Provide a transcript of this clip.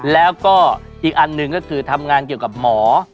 แล้วก็อีกอันหนึ่งก็คือทำงานเกี่ยวกับหมอ